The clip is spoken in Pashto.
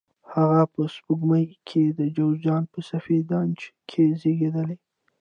هغه په سپوږمیز کال د جوزجان په سفید نج کې زیږېدلی.